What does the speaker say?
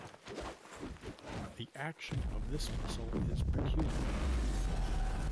The action of this muscle is peculiar.